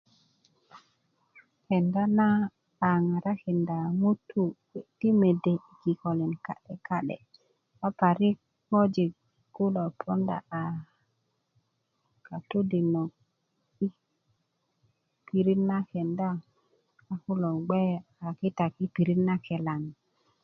kenda na a ŋarakinda ŋutu kuwe ti mede i kikölin ka'de ka'de kega parik ŋojik kulo ponda a kotodinök yi pirit na kenda ko a kulo gbe kakita yi pirit na kelan